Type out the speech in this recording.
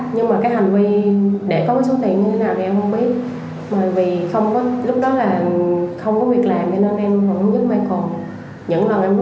những lần em lúc tiền thì michael trích lại cho em hai